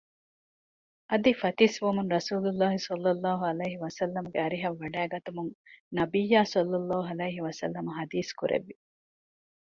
އަދި ފަތިސްވުމުން ރަސޫލުﷲ ﷺ ގެ އަރިހަށް ވަޑައިގަތުމުން ނަބިއްޔާ ﷺ ޙަދީޘްކުރެއްވި